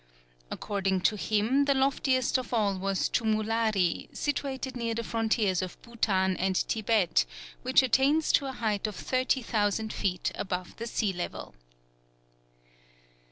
According to him the loftiest of all was Chumulari, situated near the frontiers of Bhoutan and Thibet, which attains to a height of 30,000 feet above the sea level.